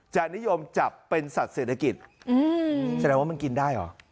นิยมจับเป็นสัตว์เศรษฐกิจแสดงว่ามันกินได้เหรอ